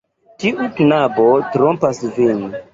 Tiu knabo trompas vin.